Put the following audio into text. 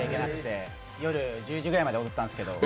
夜１０時ぐらいまで踊ったんですけど。